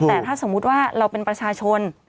แต่ถ้าสมมุติว่าเราเป็นประชาชน